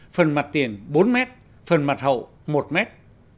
phần mặt tiền bốn mét phần mặt hậu một mét